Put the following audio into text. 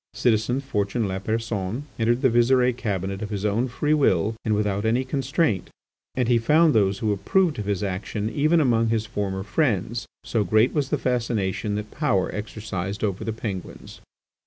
Citizen Fortuné Lapersonne entered the Visire cabinet of his own free will and without any constraint; and he found those who approved of his action even among his former friends, so great was the fascination that power exercised over the Penguins!